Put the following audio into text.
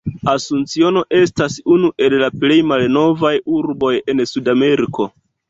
Asunciono estas unu el la plej malnovaj urboj en Sudameriko.